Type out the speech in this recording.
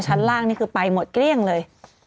ชั้นล่างนี่คือไปหมดเกลี้ยงเลย